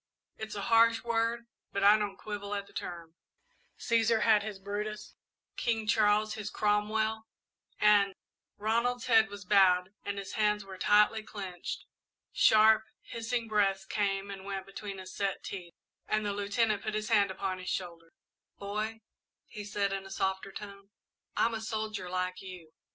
It's a harsh word, but I don't quibble at the term. 'Cæsar had his Brutus, King Charles his Cromwell, and '" Ronald's head was bowed and his hands were tightly clenched. Sharp, hissing breaths came and went between his set teeth and the Lieutenant put his hand upon his shoulder. "Boy," he said, in a softer tone, "I'm a soldier, like you.